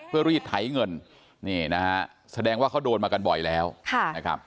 เพื่อรีดไถเงินนี่นะฮะแสดงว่าเขาโดนมากันบ่อยแล้วนะครับ